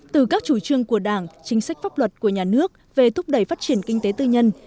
từ các chủ trương của đảng chính sách pháp luật của nhà nước về thúc đẩy phát triển kinh tế tư nhân